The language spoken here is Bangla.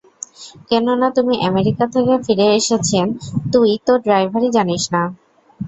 কেননা তিনি আমেরিকা থেকে ফিরে এসেছেন, তুই তো ড্রাইভারি জানিস না!